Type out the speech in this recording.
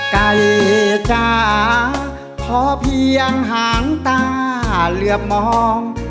ไก่จ๋าพอเพียงหางตาเหลือบมอง